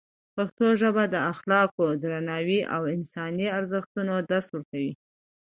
پښتو ژبه د اخلاقو، درناوي او انساني ارزښتونو درس ورکوي.